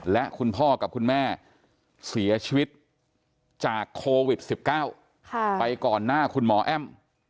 และคุณพ่อกับคุณแม่เสียชีวิตจากโควิด๑๙ไปก่อนหน้าคุณหมอแอ้ม